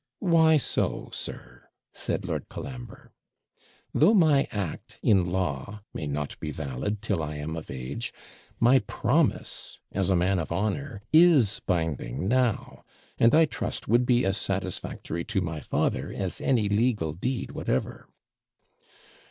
'Why so, sir?' said Lord Colambre. 'Though my act, in law, may not be valid, till I am of age, my promise, as a man of honour, is binding now; and, I trust, would be as satisfactory to my father as any legal deed whatever.'